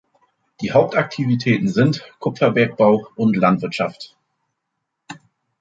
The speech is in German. Die Hauptaktivitäten sind Kupferbergbau und Landwirtschaft.